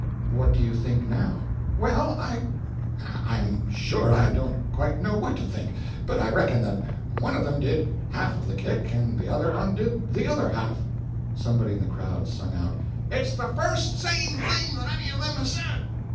"What do you think now?" "Well, I I'm sure I don't quite know what to think, but I reckon that one of them did half of the kick and the other one did the other half." Somebody in the crowd sung out: "It's the first sane thing that any of them has said."